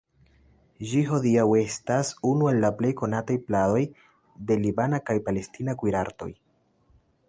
Ĝi hodiaŭ estas unu el la plej konataj pladoj de libana kaj palestina kuirartoj.